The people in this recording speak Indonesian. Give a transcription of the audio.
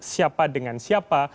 siapa dengan siapa